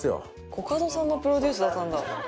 コカドさんのプロデュースだったんだ。